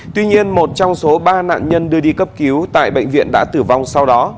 tuy nhiên một trong số ba nạn nhân đưa đi cấp cứu tại bệnh viện đã tử vong sau đó